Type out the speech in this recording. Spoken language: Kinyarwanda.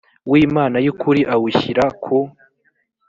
w imana y ukuri awushyira ku